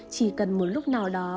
chỉ cần một lúc nào đó